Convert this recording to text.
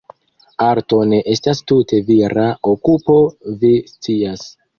Arto ne estas tute vira okupo, vi scias.